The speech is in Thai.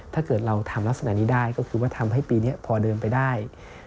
ถ้าเกิดเราทำลักษณะนี้ได้ก็คือว่าทำให้ปีนี้พอเดินไปได้